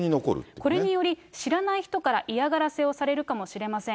これにより、知らない人から嫌がらせをされるかもしれません。